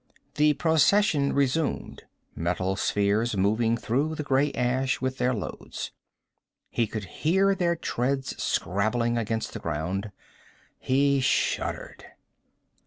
The procession resumed, metal spheres moving through the gray ash with their loads. He could hear their treads scrabbling against the ground. He shuddered.